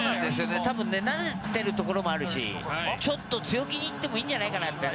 多分慣れているところもあるしちょっと強気に行ってもいいんじゃないかなって。